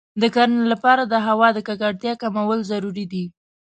د کرنې لپاره د هوا د ککړتیا کمول ضروري دی.